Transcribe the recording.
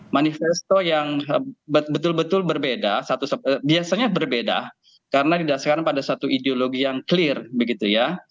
manifesto yang betul betul berbeda biasanya berbeda karena didasarkan pada satu ideologi yang clear begitu ya